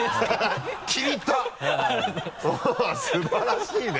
素晴らしいね！